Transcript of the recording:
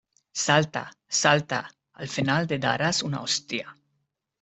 Salta, salta, al final te darás una hostia.